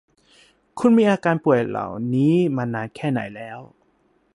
คุณมีอาการป่วยเหล่านี้มานานแค่ไหนแล้ว